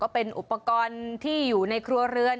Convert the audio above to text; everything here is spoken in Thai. เป็นอุปกรณ์ที่อยู่ในครัวเรือน